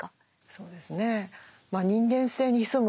そうですね。